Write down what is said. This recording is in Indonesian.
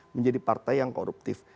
menjadi partai yang koruptif